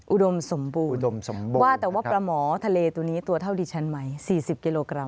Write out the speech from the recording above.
อุดมสมบูรณว่าแต่ว่าปลาหมอทะเลตัวนี้ตัวเท่าดิฉันไหม๔๐กิโลกรัม